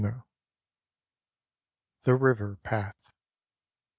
188 THE RIVER PATH.